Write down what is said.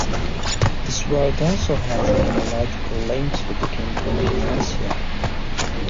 This word also has etymological links with the Kingdom of Mercia.